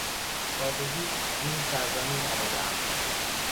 تازگی به این سرزمین آمدهام.